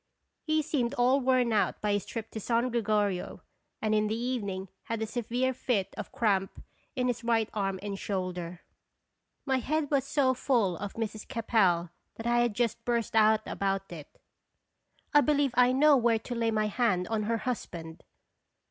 He seemed all worn out by his trip to San Gre gorio, and in the evening had a severe fit of cramp in his right arm and shoulder. My 250 "fftlje Ketonb Carir toins. 1 ' head was so full of Mrs. Capel that I had just burst out about it :" I believe I know where to lay my hand on her husband."